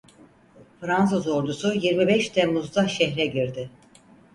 Fransız Ordusu yirmi beş Temmuz'da şehre girdi.